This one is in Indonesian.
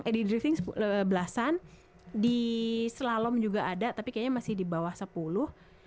eh di drifting belasan di slalom juga ada tapi kayaknya masih di bawah sepuluh